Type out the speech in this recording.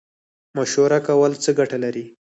مشوره کول څه ګټه لري؟